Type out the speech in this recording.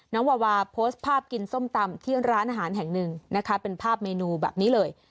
วาวาโพสต์ภาพกินส้มตำที่ร้านอาหารแห่งหนึ่งนะคะเป็นภาพเมนูแบบนี้เลย